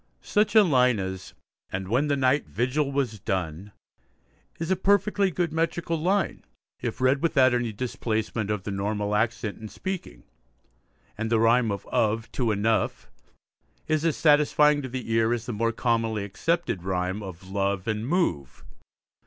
Such a line as And when the night vigil was done, is a perfectly good metrical line if read without any displacement of the normal accent in speaking, and the rhyme of 'of' to 'enough' is as satisfying to the ear as the more commonly accepted rhyme of 'love' and 'move.'